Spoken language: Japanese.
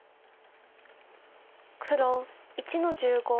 黒１の十五。